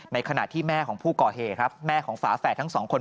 ขณะที่แม่ของผู้ก่อเหตุครับแม่ของฝาแฝดทั้งสองคน